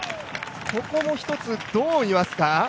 ここも一つ、どう見ますか？